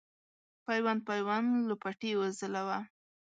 پیوند پیوند لوپټې وځلوه